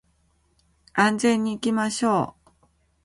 安全に行きましょう